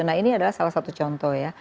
nah ini adalah salah satu contoh ya